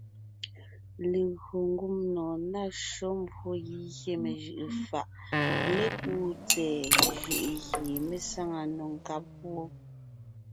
Legÿo ngumnɔɔn ná shÿó mbwó gígyé mejʉʼʉ fàʼ lékúu tsɛ̀ɛ jʉʼ gie mé sáŋa nò nkáb wó.